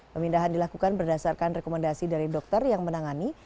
pemindahan dilakukan berdasarkan rekomendasi dari dokter yang menangani